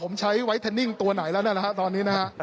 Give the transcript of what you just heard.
ผมใช้ไวทันนิ่งตัวไหนแล้วนะครับตอนนี้นะครับ